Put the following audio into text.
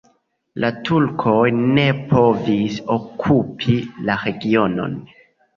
La turkoj ne povis okupi la regionon.